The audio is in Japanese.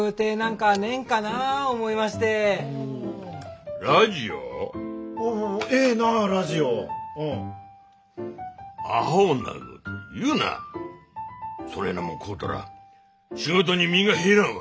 そねえなもん買うたら仕事に身が入らんわ。